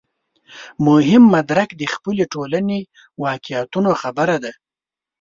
مهم مدرک د خپلې ټولنې واقعیتونو خبره ده.